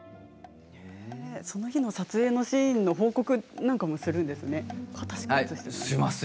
その日の撮影のシーンの報告なんかもするんですね。